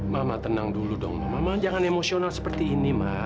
mama tenang dulu dong mama mama jangan emosional seperti ini ma